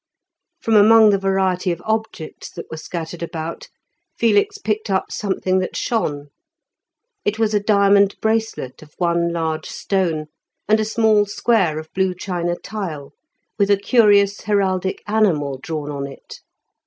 From among a variety of objects that were scattered about Felix picked up something that shone; it was a diamond bracelet of one large stone, and a small square of blue china tile with a curious heraldic animal drawn on it.